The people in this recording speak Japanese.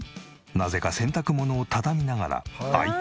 なぜか洗濯物を畳みながらｉＰａｄ。